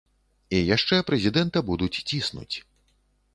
І яшчэ прэзідэнта будуць ціснуць.